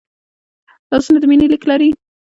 لاسونه د مینې لیک لري